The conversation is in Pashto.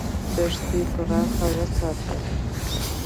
دښتې پراخې وساته.